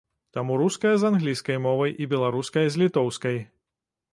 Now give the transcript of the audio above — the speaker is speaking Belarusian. Там руская з англійскай мовай і беларуская з літоўскай.